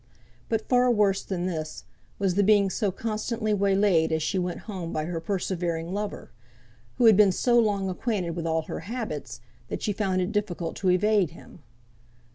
But far worse than this, was the being so constantly waylaid as she went home by her persevering lover; who had been so long acquainted with all her habits, that she found it difficult to evade him.